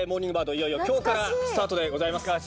いよいよ今日からスタートでございます。